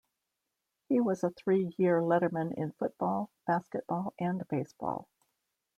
He was a three-year letterman in football, basketball, and baseball.